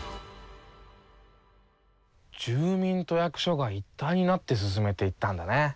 住民と役所が一体になって進めていったんだね。